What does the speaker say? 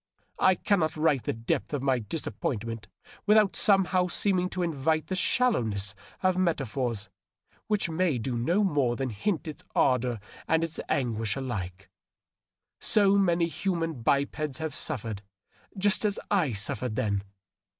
I cannot write of the depth of my disap pointment without somehow seeming to invite the shallowness of meta phors which may do no more than hint its ardor and its anguish alike. So many human bipeds have suffered just as I suffered then